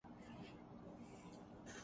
ہم کہاں طوطے بیچتے ہیں